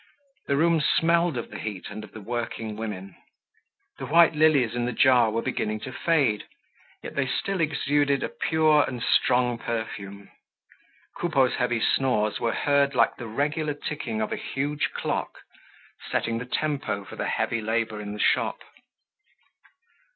The room smelled of the heat and of the working women. The white lilies in the jar were beginning to fade, yet they still exuded a pure and strong perfume. Coupeau's heavy snores were heard like the regular ticking of a huge clock, setting the tempo for the heavy labor in the shop.